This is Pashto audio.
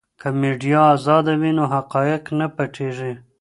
که میډیا ازاده وي نو حقایق نه پټیږي.